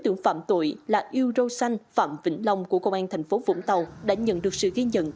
truyền tuổi là yêu râu xanh phạm vĩnh long của công an thành phố vũng tàu đã nhận được sự ghi nhận